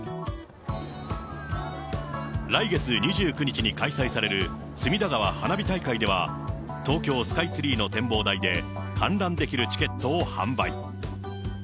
来月２９日に開催される隅田川花火大会では、東京スカイツリーの展望台で観覧できるチケットを販売。